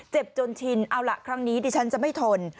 จนชินเอาล่ะครั้งนี้ดิฉันจะไม่ทน